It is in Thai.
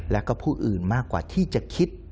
และก็ผู้อื่นมากกว่าที่จะคิด